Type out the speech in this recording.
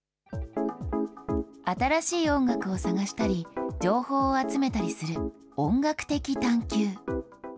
新しい音楽を探したり、情報を集めたりする音楽的探究。